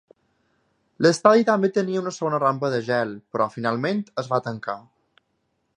L"estadi també tenia una segona rampa de gel, però finalment es va tancar.